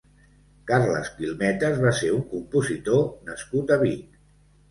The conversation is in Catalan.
Carles Quilmetes va ser un compositor nascut a Vic.